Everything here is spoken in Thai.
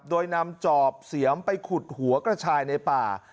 โดยนำจอบเสียมไปขุดหัวกระชายในป่า